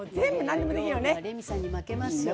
料理はレミさんに負けますよ。